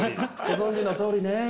ごぞんじのとおりね。